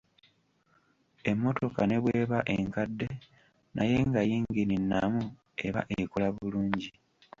Emmotoka ne bw'eba enkadde, naye nga yingine nnamu, eba ekola bulungi.